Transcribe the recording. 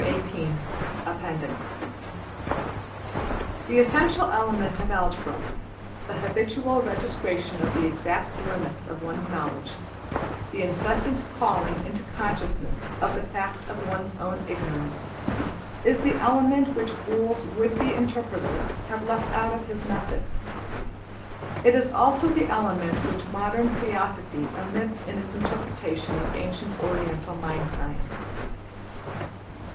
\chapter{Appendix} The essential element of Algebra: the habitual registration of the exact limits of one's knowledge, the incessant calling into consciousness of the fact of one's own ignorance, is the element which Boole's would be interpreters have left out of his method. It is also the element which modern Theosophy omits in its interpretation of ancient Oriental Mind Science.